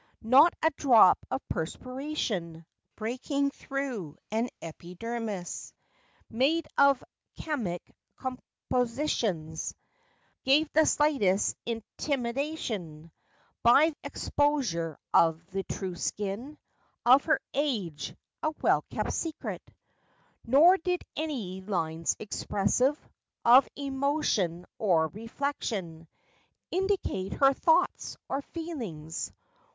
Not a drop of perspiration, Breaking through an epidermis Made of chemic compositions, Gave the slightest intimation, By exposure of the true skin, Of her age—a well kept secret. Nor did any lines expressive Of emotion or reflection Indicate her thoughts or feelings.